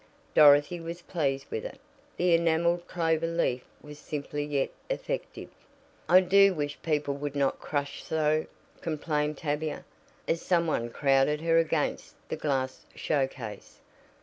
Dorothy was pleased with it the enameled clover leaf was simple yet effective. "I do wish people would not crush so," complained Tavia, as some one crowded her against the glass showcase.